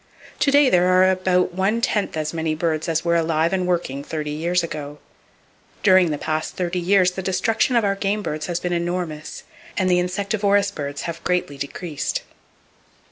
To day there are about one tenth as many birds as were alive and working thirty years ago. During the past thirty years the destruction of our game birds has been enormous, and the insectivorous birds have greatly decreased.